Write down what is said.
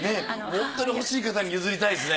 本当に欲しい方に譲りたいですね。